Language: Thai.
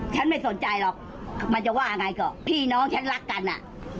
ฉันไม่สนใจหรอกมันจะว่ายังไงก็พี่น้องฉันรักกันอ่ะ